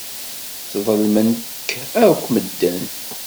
Sḍelmen-k akk medden.